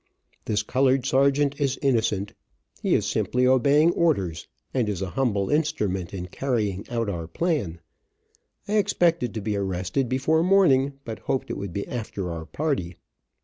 This colored sergeant is innocent. He is simply obeying orders, and is a humble instrument in carrying out our plan. I expected to be arrested before morning, but hoped it would be after our party.